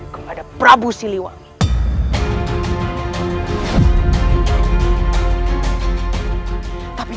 kepada prabu siliwangi